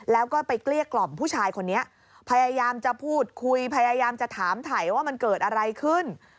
แล้วก็ไปเกลี้ยกล่อมผู้ชายคนนี้พยายามจะพูดคุยพยายามจะถามถ่ายว่ามันเกิดอะไรขึ้น